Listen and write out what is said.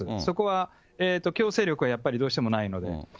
そこは強制力はやっぱりどうしてもないので。